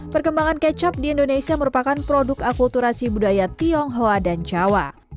perkembangan kecap di indonesia merupakan produk akulturasi budaya tionghoa dan jawa